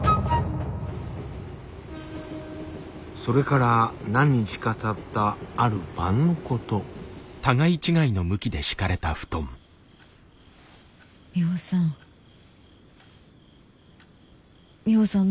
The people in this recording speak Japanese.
それから何日かたったある晩のことミホさん